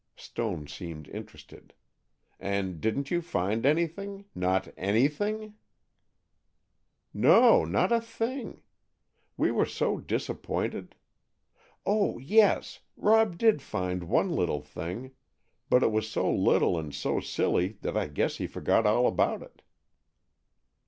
Stone seemed interested. "And didn't you find anything—not anything?" "No, not a thing. We were so disappointed. Oh, yes, Rob did find one little thing, but it was so little and so silly that I guess he forgot all about it."